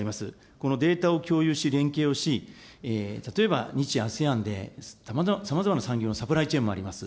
このデータを共有し、連携をし、例えば日・ＡＳＥＡＮでさまざまな産業のサプライチェーンもあります。